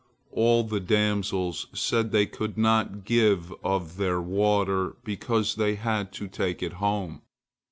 All the damsels said they could not give him of their water, because they had to take it home.